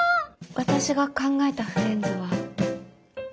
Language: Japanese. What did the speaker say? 私が考えたフレンズは。